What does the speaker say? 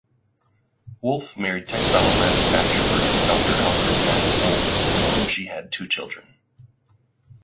Wolff married textile manufacturer Doctor Alfred Max Wolf with whom she had two children.